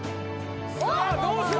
さあどうする？